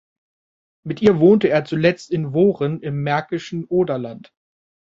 Mit ihr wohnte er zuletzt in Worin im märkischen Oderland.